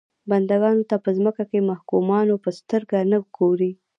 بنده ګانو ته په ځمکه کې محکومانو په سترګه نه ګوري.